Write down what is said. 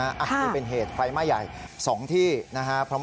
อันนี้เป็นเหตุไฟมาใหญ่๒ที่นะฮะ